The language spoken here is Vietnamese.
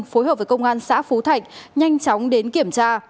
phối hợp với công an xã phú thạch nhanh chóng đến kiểm tra